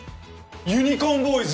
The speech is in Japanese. ユニコーンボーイズ！